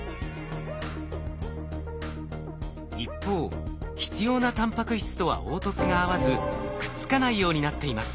一方必要なタンパク質とは凹凸が合わずくっつかないようになっています。